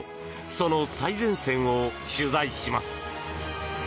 その最前線を取材します。